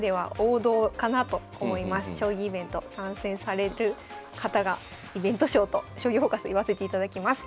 将棋イベント参戦される方がイベント将と「将棋フォーカス」言わせていただきます。